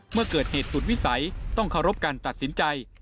เมื่อเกิดเหตุสุดวิสัยต้องเคารพการตัดสินใจ